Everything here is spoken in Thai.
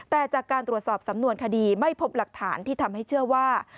แต่จากการตรวจสอบสำนวนคดีไม่พบหลักฐานที่ทำให้เชื่อว่า